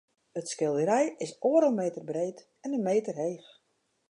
It skilderij is oardel meter breed en in meter heech.